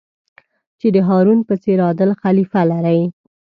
چې د هارون په څېر عادل خلیفه لرئ.